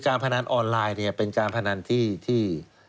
การพนันออนไลน์เป็นการพนันที่